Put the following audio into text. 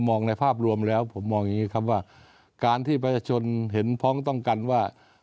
ในภาพรวมแล้วผมมองอย่างนี้ครับว่าการที่ประชาชนเห็นพ้องต้องกันว่า